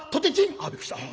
「あびっくりした」。